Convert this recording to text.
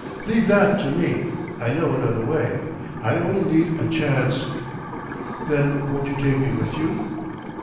"Leave that to me I know another way. I only need a chance " "Then won't you take me with you?"